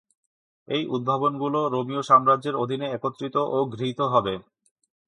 এই উদ্ভাবনগুলো রোমীয় সাম্রাজ্যের অধীনে একত্রিত ও গৃহীত হবে।